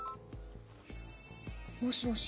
もしもし。